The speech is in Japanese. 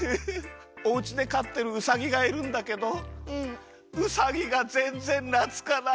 おうちでかってるウサギがいるんだけどウサギがぜんぜんなつかないの。